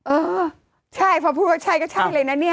เออใช่พอพูดว่าใช่ก็ใช่เลยนะเนี่ย